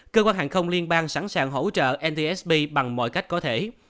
cơ quan hàng không liên bang sẵn sàng hỗ trợ ntsb bằng mọi cách có thể